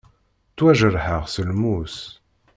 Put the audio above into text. Ttwajerḥeɣ s lmus.